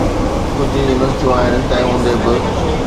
ڪجهه يونيورسٽيون آهن، تنهن هوندي به.